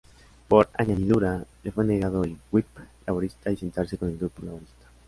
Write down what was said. Por añadidura, le fue negado el "whip" laborista y sentarse con el grupo laborista.